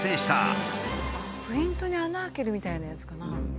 プリントに穴開けるみたいなやつかな？